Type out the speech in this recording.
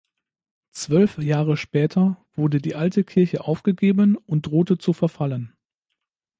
Zwölf Jahre später wurde die alte Kirche aufgegeben und drohte zu verfallen.